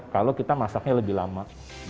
kalau kita masaknya lebih lama